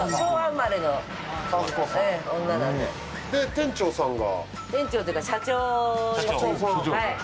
店長さんが？